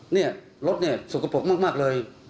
นี่รถสุขโกะโปรบมากเลย